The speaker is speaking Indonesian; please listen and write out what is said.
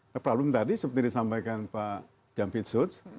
nah problem tadi seperti disampaikan pak jampit suds